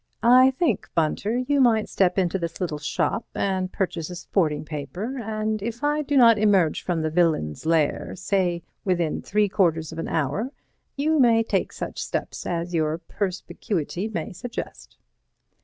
"I think, Bunter, you might step into this little shop and purchase a sporting paper, and if I do not emerge from the villain's lair—say within three quarters of an hour, you may take such steps as your perspicuity may suggest."